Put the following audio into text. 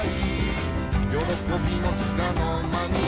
「よろこびもつかのまに」